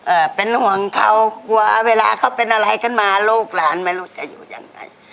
เป็นห่วงเขากลัวเวลาเขาเป็นอะไรขึ้นมาลูกหลานไม่รู้จะอยู่ยังไง